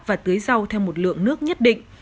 và tưới rau theo một lượng nước nhất định